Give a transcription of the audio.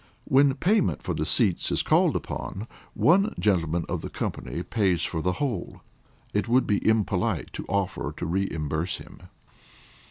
When payment for the seats is called for, one gentleman of the company pays for the whole. It would be impolite to offer to reimburse him.